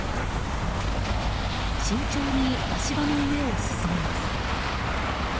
慎重に足場の上を進みます。